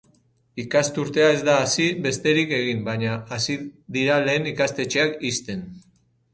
Ikasturtea ez da hasi besterik egin baina hasi dira lehen ikastetxeak ixten.